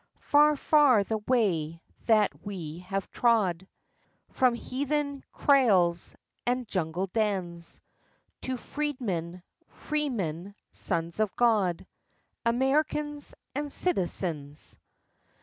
Far, far the way that we have trod, From heathen kraals and jungle dens, To freedmen, freemen, sons of God, Americans and Citizens.